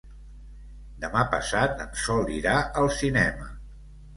Demà passat en Sol irà al cinema.